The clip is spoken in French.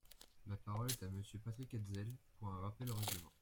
La parole est à Monsieur Patrick Hetzel, pour un rappel au règlement.